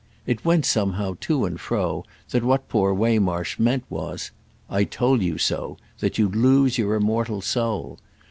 It went somehow to and fro that what poor Waymarsh meant was "I told you so—that you'd lose your immortal soul!"